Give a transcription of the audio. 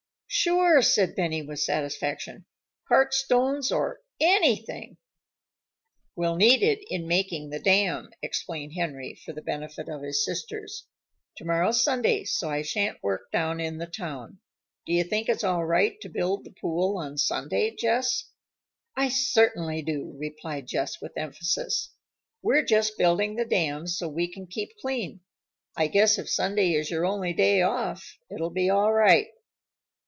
"Sure," said Benny with satisfaction. "Cart stones or anything." "We'll need it in making the dam," explained Henry for the benefit of his sisters. "Tomorrow's Sunday, so I shan't work down in the town. Do you think it's all right to build the pool on Sunday, Jess?" "I certainly do," replied Jess with emphasis. "We're just building the dam so we can keep clean. I guess if Sunday is your only day off, it'll be all right."